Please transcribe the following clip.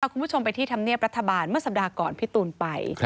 คุณผู้ชมไปที่ธรรมเนียบรัฐบาลเมื่อสัปดาห์ก่อนพี่ตูนไป